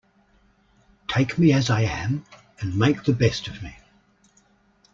Take me as I am, and make the best of me.